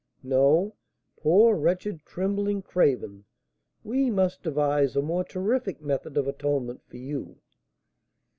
No; poor, wretched, trembling craven! we must devise a more terrific method of atonement for you.